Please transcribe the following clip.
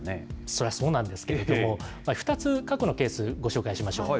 そりゃそうなんですけども、２つ、過去のケースご紹介しましょう。